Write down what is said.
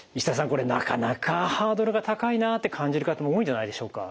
これなかなかハードルが高いなって感じる方も多いんじゃないんでしょうか。